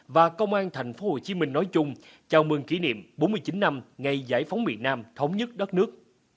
và công an tp hcm nói chung chào mừng kỷ niệm bốn mươi chín năm ngày giải phóng miền nam thống nhất đất nước